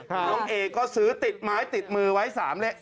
น้องเอกก็ซื้อติดหมายติดมือไว้๓แล้ว